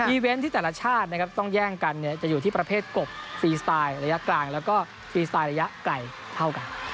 เวนต์ที่แต่ละชาตินะครับต้องแย่งกันเนี่ยจะอยู่ที่ประเภทกบฟรีสไตล์ระยะกลางแล้วก็ฟรีสไตล์ระยะไกลเท่ากัน